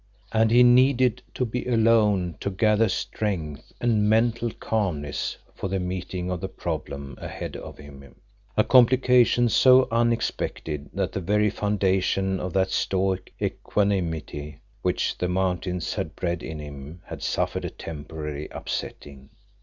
And he needed to be alone to gather strength and mental calmness for the meeting of the problem ahead of him, a complication so unexpected that the very foundation of that stoic equanimity which the mountains had bred in him had suffered a temporary upsetting.